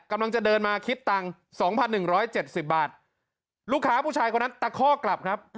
กำลังจะเดินมาคิดตังค์สองพันหนึ่งร้อยเจ็ดสิบบาทลูกค้าผู้ชายคนนั้นตะข้อกลับครับ